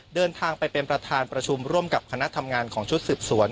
เดินทางไปเป็นประธานประชุมร่วมกับคณะทำงานของชุดสืบสวน